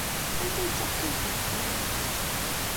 Anta ay d taḥkayt-nnek tamenyaft?